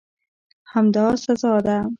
همدا سزا ده.